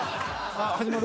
ああ始まる？